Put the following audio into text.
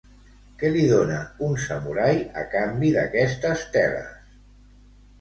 Què li dona un samurai a canvi d'aquestes teles?